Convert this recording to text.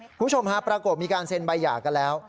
คุณผู้ชมฮะปรากฏมีการเซ็นใบหย่ากันแล้ว